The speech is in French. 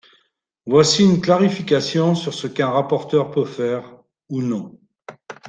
Voici une clarification sur ce qu’un rapporteur peut faire ou non.